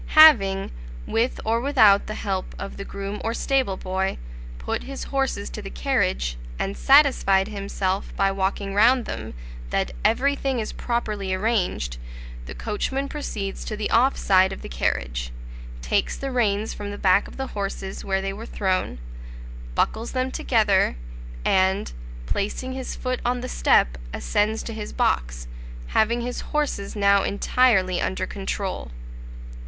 Having, with or without the help of the groom or stable boy, put his horses to the carriage, and satisfied himself, by walking round them, that everything is properly arranged, the coachman proceeds to the off side of the carriage, takes the reins from the back of the horses, where they were thrown, buckles them together, and, placing his foot on the step, ascends to his box, having his horses now entirely under control.